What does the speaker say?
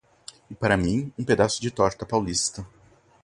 E para mim um pedaço de torta paulista.